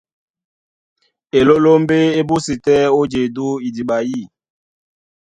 Elólómbé é búsi tɛ́ ó jedú idiɓa yî.